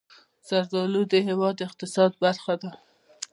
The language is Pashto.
زردالو د هېواد د اقتصاد برخه ده.